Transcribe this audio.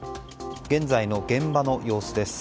現在の現場の様子です。